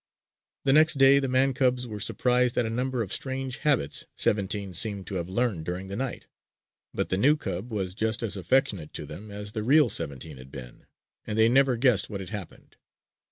The next day, the man cubs were surprised at a number of strange habits "Seventeen" seemed to have learned during the night. But the new cub was just as affectionate to them as the real "Seventeen" had been; and they never guessed what had happened.